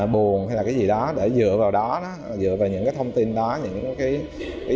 buồn hay là cái gì đó để dựa vào đó dựa vào những cái thông tin đó những cái